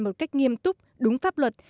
một cách nghiêm túc đúng pháp luật